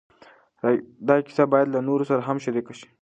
دا کیسه باید له نورو سره هم شریکه شي.